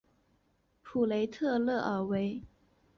普雷特勒维尔。